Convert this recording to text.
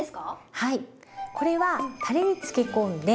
はい。